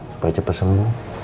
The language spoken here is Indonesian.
supaya cepat sembuh